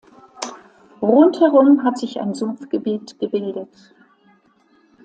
Rund herum hat sich ein Sumpfgebiet gebildet.